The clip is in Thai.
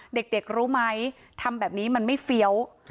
เด็กรู้ไหมทำแบบนี้มันไม่เฟี้ยว